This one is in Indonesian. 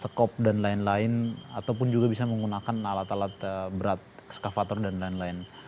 sekop dan lain lain ataupun juga bisa menggunakan alat alat berat eskavator dan lain lain